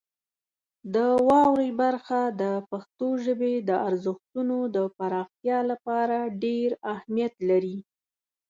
د واورئ برخه د پښتو ژبې د ارزښتونو د پراختیا لپاره ډېر اهمیت لري.